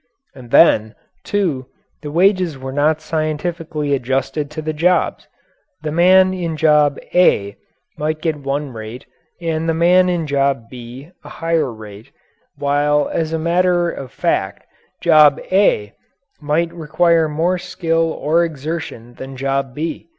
And then, too, the wages were not scientifically adjusted to the jobs. The man in job "A" might get one rate and the man in job "B" a higher rate, while as a matter of fact job "A" might require more skill or exertion than job "B."